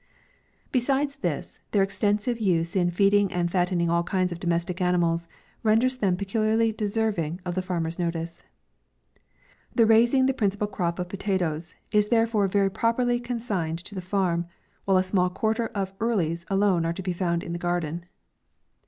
Besides this, their extensive use in feeding and fattening all kinds of domestic animals, renders them peculiarly deserving the far mer's notice. The raising the principal crop of potatoes is therefore very properly con signed to the farm, while a small quarter of earlles alone are to be found in the garden.